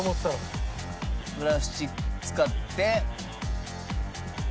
プラスチック使って。